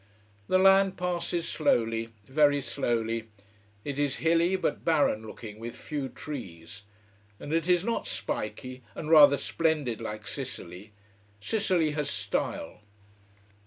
The land passes slowly, very slowly. It is hilly, but barren looking, with few trees. And it is not spikey and rather splendid, like Sicily. Sicily has style.